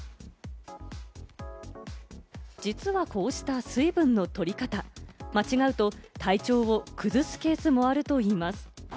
実はこうした水分のとり方、間違うと、体調を崩すケースもあるといいます。